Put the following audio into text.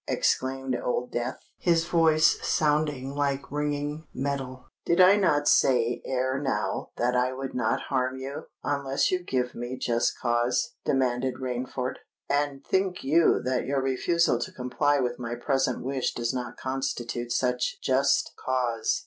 exclaimed Old Death, his voice sounding like ringing metal. "Did I not say ere now that I would not harm you, unless you gave me just cause?" demanded Rainford. "And think you that your refusal to comply with my present wish does not constitute such just cause?